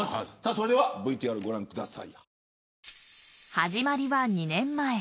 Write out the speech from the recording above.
それではＶＴＲ、ご覧ください。